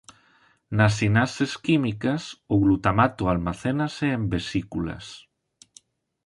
Nas sinapses químicas o glutamato almacénase en vesículas.